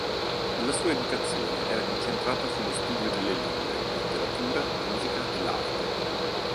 La sua educazione era concentrata sullo studio delle lingue, letteratura, musica e l'arte.